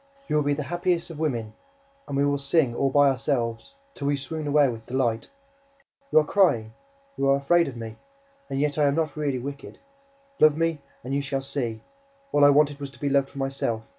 You will be the happiest of women. And we will sing, all by ourselves, till we swoon away with delight. You are crying! You are afraid of me! And yet I am not really wicked. Love me and you shall see! All I wanted was to be loved for myself.